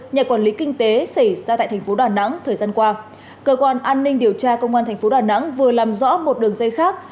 nhà quản lý kinh tế xảy ra tại tp đà nẵng thời gian qua cơ quan an ninh điều tra công an tp đà nẵng vừa làm rõ một đường dây khác